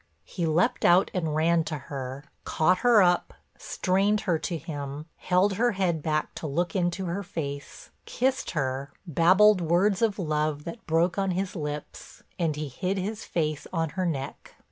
He leapt out and ran to her, caught her up, strained her to him, held her head back to look into her face, kissed her, babbled words of love that broke on his lips and he hid his face on her neck.